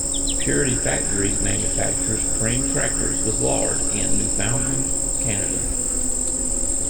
Purity Factories manufactures cream crackers with lard in Newfoundland, Canada.